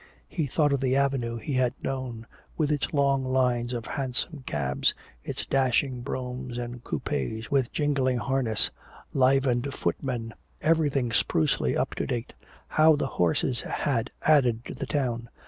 He thought of the Avenue he had known, with its long lines of hansom cabs, its dashing broughams and coupés with jingling harness, livened footmen, everything sprucely up to date. How the horses had added to the town.